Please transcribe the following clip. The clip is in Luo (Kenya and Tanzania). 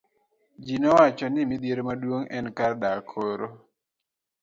Ji nowacho ni midhiero maduong' en kar dak koro.